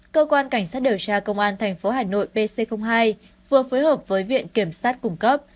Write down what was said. cơ quan cảnh sát điều tra công an tp hà nội pc hai vừa phối hợp với viện kiểm sát cung cấp